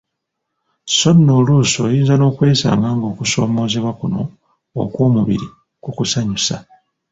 So nno oluusi oyinza n'okwesanga ng'okusoomoozebwa kuno okw'omubiri kukusanyusa.